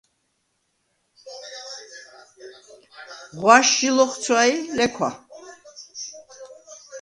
ღვაშ ჟი ლოხცვა ი ლექვა.